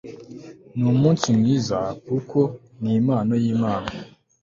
numunsi mwiza kuko nimpano yimana